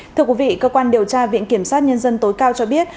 thưa quý vị cơ quan điều tra viện kiểm sát nhân dân tối cao cho biết